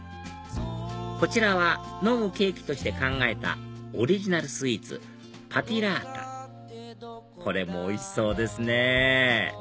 こちらは飲むケーキとして考えたオリジナルスイーツパティラータこれもおいしそうですね！